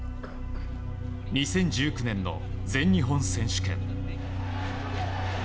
２０１９年の全日本選手権。